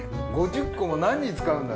５０個も何に使うんだ？